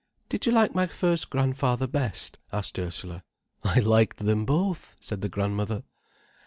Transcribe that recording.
"Did you like my first grandfather best?" asked Ursula. "I liked them both," said the grandmother.